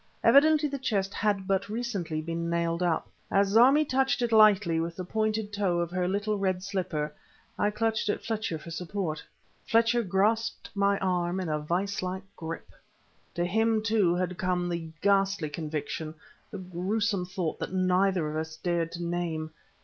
Evidently the chest had but recently been nailed up. As Zarmi touched it lightly with the pointed toe of her little red slipper I clutched at Fletcher for support. Fletcher grasped my arm in a vice like grip. To him, too, had come the ghastly conviction the gruesome thought that neither of us dared to name.